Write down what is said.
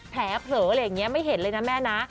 แผลเผลอไม่เห็นเลยนะแม่นะ